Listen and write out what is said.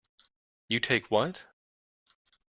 You take what?